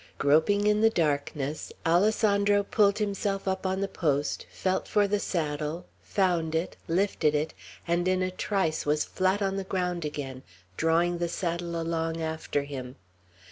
Groping in the darkness, Alessandro pulled himself up on the post, felt for the saddle, found it, lifted it, and in a trice was flat on the ground again, drawing the saddle along after him.